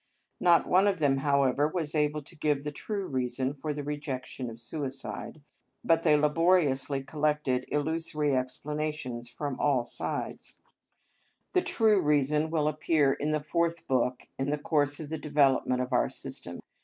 Not one of them, however, was able to give the true reason for the rejection of suicide, but they laboriously collected illusory explanations from all sides: the true reason will appear in the Fourth Book in the course of the development of our system.